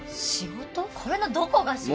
これのどこが仕事。